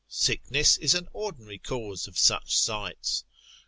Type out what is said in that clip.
Sickness is an ordinary cause of such sights.